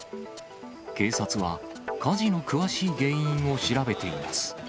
警察は火事の詳しい原因を調べています。